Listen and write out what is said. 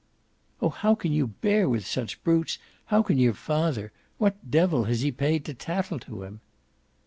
"Oh how can you bear with such brutes, how can your father ? What devil has he paid to tattle to him?"